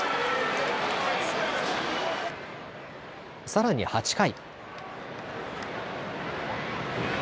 さらに８回。